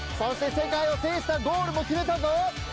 世界を制したゴールも決めた。